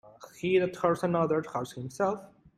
He that hurts another, hurts himself.